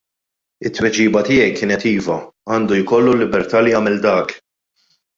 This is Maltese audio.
It-tweġiba tiegħi kienet iva, għandu jkollu l-libertà li jagħmel dak.